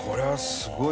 すごい。